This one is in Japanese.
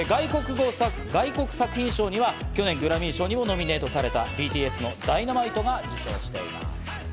外国作品賞には去年グラミー賞にもノミネートされたＢＴＳの『Ｄｙｎａｍｉｔｅ』が受賞しています。